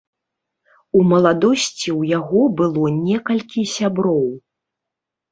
У маладосці ў яго было некалькі сяброў.